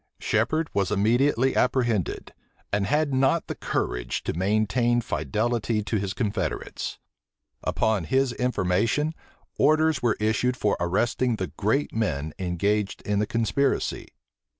Shephard was immediately apprehended, and had not courage to maintain fidelity to his confederates. Upon his information, orders were issued for arresting the great men engaged in the conspiracy.